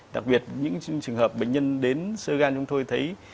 đặc biệt những trường hợp bệnh nhân đến sơ gan chúng tôi thấy